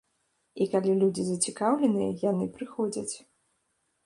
І калі людзі зацікаўленыя, яны прыходзяць.